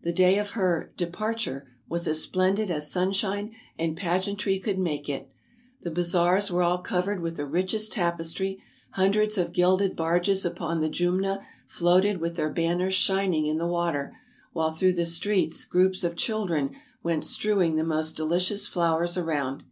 The day of her " departure was as splen did as sunshine and pageantry could make it. The bazaars were all covered with the richest tapestry, hundreds of gilded barges upon the Jumna floated with their banners shining in the water, while through the streets groups of children went strewing the most delicious flowers around.